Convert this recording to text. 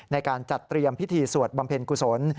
ในการจัดเตรียมพิธีสวดบำเพ็ญกุศล